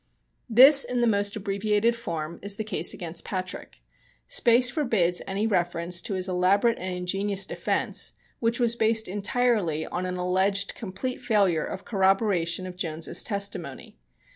This, in the most abbreviated form, is the case against Patrick. Space forbids any reference to his elaborate and ingenious defense, which was based entirely on an alleged complete failure of corroboration of Jones's testimony.